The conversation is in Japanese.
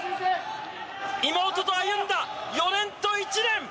妹と歩んだ４年と１年。